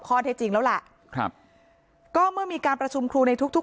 ข้อเท็จจริงแล้วล่ะครับก็เมื่อมีการประชุมครูในทุกทุก